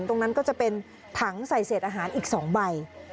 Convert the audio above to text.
ตรงนั้นก็จะเป็นถังใส่เศษอาหารอีก๒ใบ